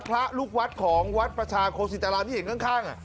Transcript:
พระลูกวัดของวัดประชาโคศิตรารามที่เห็นข้าง